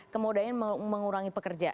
kemudian mengurangi pekerja